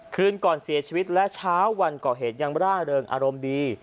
คืนก่อนเสียชีวิตและเช้าวันก่อเหตุยังร่าเริงอารมณ์ดี